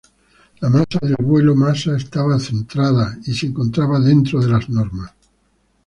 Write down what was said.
La masa del vuelo masa estaba centrada y se encontraba dentro de las normas.